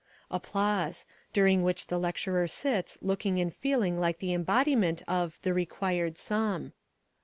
(Applause: during which the lecturer sits looking and feeling like the embodiment of the "required sum.")